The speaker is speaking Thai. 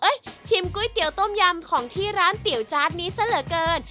ชิมก๋วยเตี๋ยวต้มยำของที่ร้านเตี๋ยวจาร์ดนี้ซะเหลือเกิน